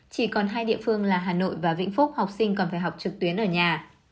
chỉ còn hai địa phương là hà nội và vĩnh phúc học sinh còn phải học trực tuyến ở nhà